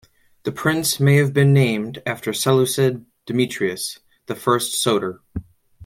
The prince may have been named after the Seleucid Demetrius the First Soter.